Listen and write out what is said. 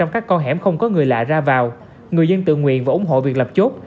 một trăm linh các con hẻm không có người lạ ra vào người dân tự nguyện và ủng hộ việc lập chốt